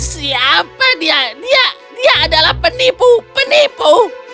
siapa dia dia adalah penipu penipu